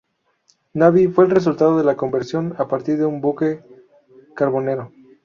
Navy, fue el resultado de la conversión a partir de un buque carbonero.